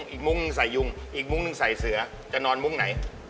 มุ้งใส่ยุงอีกมุ้งหนึ่งใส่เสือจะนอนมุ้งไหน